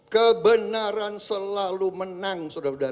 kebenaran selalu menang